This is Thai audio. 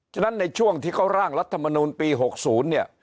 ฉะนั้นในช่วงที่เขาร่างรัฐมนูลปี๖๐เนี่ย